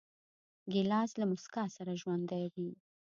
ګیلاس له موسکا سره ژوندی وي.